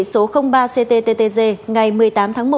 số ba ctttg ngày một mươi tám tháng một